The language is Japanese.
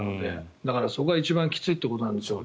だから、そこが一番きついってことなんでしょう。